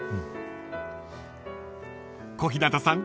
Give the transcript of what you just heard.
［小日向さん